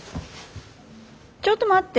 ちょっと待って。